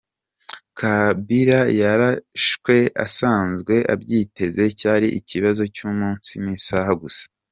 Kabila yarashwe asanzwe abyiteze, cyari ikibazo cy’umunsi n’isaha gusa.